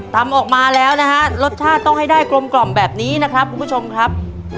ทำออกมาแล้วนะฮะรสชาติต้องให้ได้กลมกล่อมแบบนี้นะครับคุณผู้ชมครับ